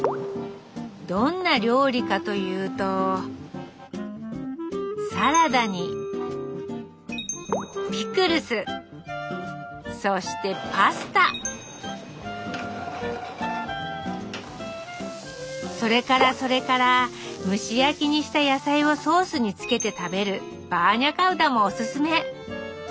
どんな料理かというとそれからそれから蒸し焼きにした野菜をソースにつけて食べるバーニャカウダもおすすめ！